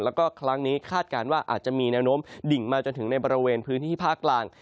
แล้วก็ครั้งนี้คาดการณ์ว่าอาจจะมีแนวโน้มดิ่งมาจนถึงในบริเวณพื้นที่ภาคกลาง